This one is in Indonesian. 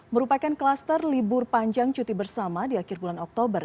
merupakan kluster libur panjang cuti bersama di akhir bulan oktober